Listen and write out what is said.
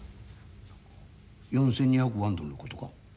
４，２００万ドルのことか？